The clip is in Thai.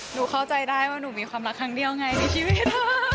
หนูเข้าใจได้ว่าหนูมีความรักครั้งเดียวไงในชีวิต